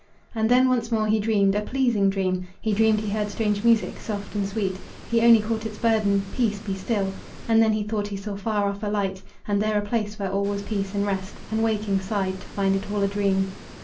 And then once more he dreamed a pleasing dream. He dreamed he heard strange music, soft and sweet; He only caught its burden: "Peace, be still!" And then he thought he saw far off a light, And there a place where all was peace and rest, And waking sighed to find it all a dream.